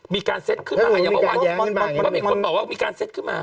มีการเซ็ตขึ้นมามีคนบอกว่ามีการเซ็ตขึ้นมา